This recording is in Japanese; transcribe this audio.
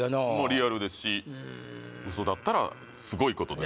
リアルですしウソだったらすごいことです